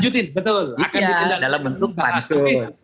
dalam bentuk pansus